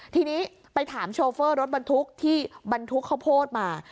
ทีนี้ไปถามโชเฟอร์รถบรรทุกที่บรรทุกข้าวโพดมา